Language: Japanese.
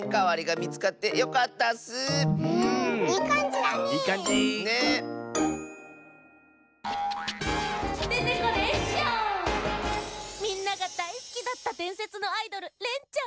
みんながだいすきだったでんせつのアイドルレンちゃん。